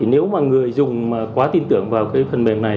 nếu mà người dùng quá tin tưởng vào phần mềm này